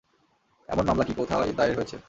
এমন মামলা কি কোথায় দায়ের হয়েছে?